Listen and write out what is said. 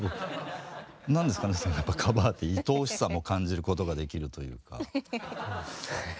なんですかねやっぱカバーっていとおしさも感じることができるというか。